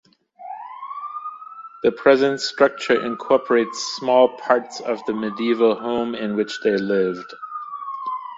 The present structure incorporates small parts of the medieval home in which they lived.